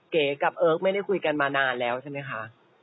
เก๋กับเอิร์กไม่ได้คุยกันมานานแล้วใช่ไหมคะ